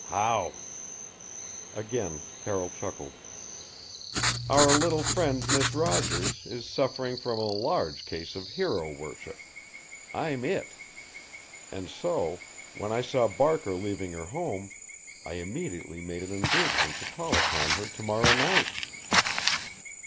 "How?" Again Carroll chuckled. "Our little friend, Miss Rogers, is suffering from a large case of hero worship. I'm it! And so when I saw Barker leaving her home I immediately made an engagement to call upon her to morrow night!"